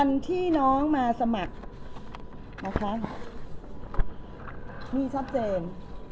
มีชัดเจน